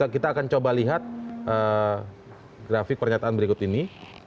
kita akan coba lihat grafik pernyataan berikut ini